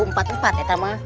empat empat itu mah